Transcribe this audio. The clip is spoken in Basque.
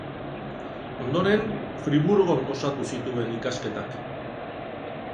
Ondoren Friburgon osatu zituen ikasketak.